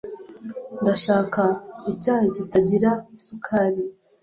Ndashaka icyayi kitagira isukari.